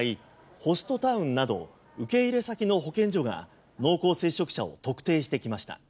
ホストタウンなど受け入れ先の保健所が濃厚接触者を特定してきました。